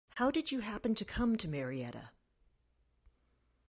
How did you happen to come to Marietta?